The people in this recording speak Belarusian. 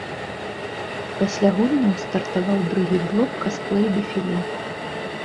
Пасля гульняў стартаваў другі блок касплэй-дэфіле.